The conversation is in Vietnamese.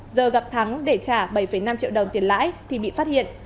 giờ gặp thắng để trả bảy năm triệu đồng tiền lãi thì bị phát hiện